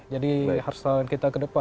jadi harus salin kita ke depan